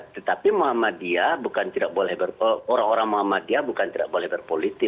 tetapi orang orang muhammadiyah bukan tidak boleh berpolitik